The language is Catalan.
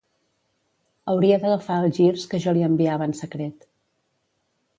Hauria d’agafar els girs que jo li enviava en secret.